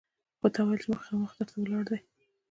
خو تا ویل چې مخامخ در ته ولاړ دی!